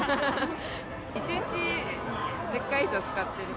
１日１０回以上使ってる。